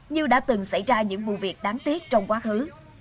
như đã từng xảy ra những vụ việc đáng tiếc trong quá khứ